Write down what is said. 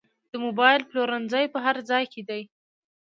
د موبایل پلورنځي په هر ځای کې دي